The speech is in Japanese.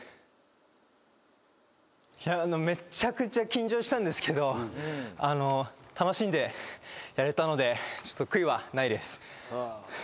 めっちゃくちゃ緊張したんですけど楽しんでやれたので悔いはないです。